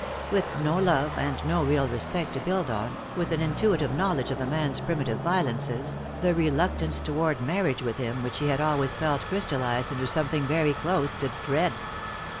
With no love and no real respect to build on, with an intuitive knowledge of the man's primitive violences, the reluctance toward marriage with him which she had always felt crystallized into something very close to dread.